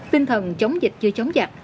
tinh thần chống dịch chưa chống giặc